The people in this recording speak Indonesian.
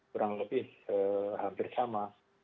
kurang lebih hampir sama